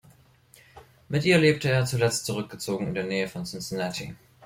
Mit ihr lebte er zuletzt zurückgezogen in der Nähe von Cincinnati.